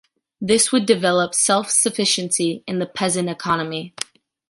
This would develop self-sufficiency in the peasant economy.